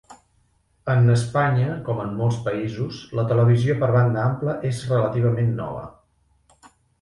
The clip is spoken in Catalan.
En Espanya, com en molts països, la televisió per banda ampla és relativament nova.